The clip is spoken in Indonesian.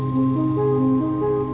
tidak ada yang tahu